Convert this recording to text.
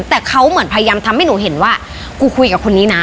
แต่เขาเหมือนพยายามทำให้หนูเห็นว่ากูคุยกับคนนี้นะ